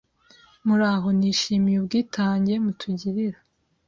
muraho nishimiye ubwitange mutugirira